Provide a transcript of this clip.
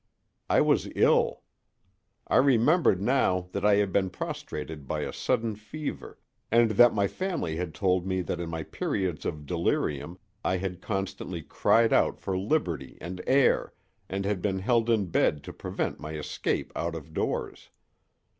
I was ill. I remembered now that I had been prostrated by a sudden fever, and that my family had told me that in my periods of delirium I had constantly cried out for liberty and air, and had been held in bed to prevent my escape out of doors.